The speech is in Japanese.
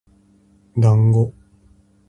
だんご